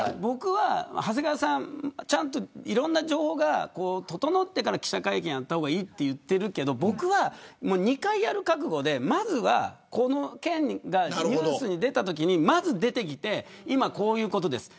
長谷川さんは、ちゃんといろんな情報を整ってから記者会やった方がいいと言っていますが僕は２回やる覚悟で、まずはこの件がニュースに出たときにまず出てきて今こういうことです。